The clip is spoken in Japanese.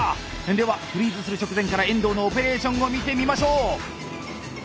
ではフリーズする直前から遠藤のオペレーションを見てみましょう！